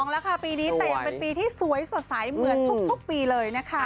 แล้วค่ะปีนี้แต่ยังเป็นปีที่สวยสดใสเหมือนทุกปีเลยนะคะ